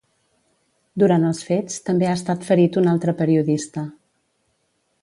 Durant els fets també ha estat ferit un altre periodista.